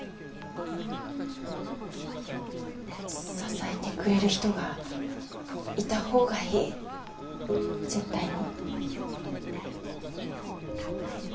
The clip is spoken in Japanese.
支えてくれる人がいた方がいい絶対に。